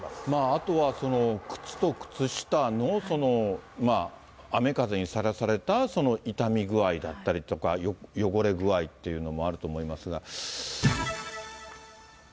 あとは靴と靴下の雨風にさらされたその傷み具合だったりとか、汚れ具合というのもあると思いますが。